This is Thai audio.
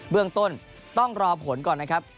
เรื่องต้นต้องรอผลก่อนนะครับ